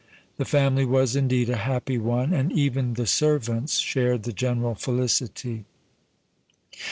The family was, indeed, a happy one, and even the servants shared the general felicity.